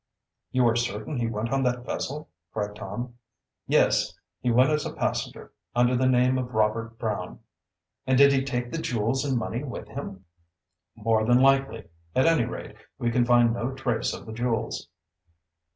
"You are certain he went on that vessel?" cried Tom. "Yes. He went as a passenger, under the name of Robert Brown." "And did he take the jewels and money with him?" "More than likely. At any rate, we can find no trace of the jewels."